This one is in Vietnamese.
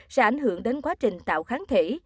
sẽ ảnh hưởng đến quá trình tạo kháng thể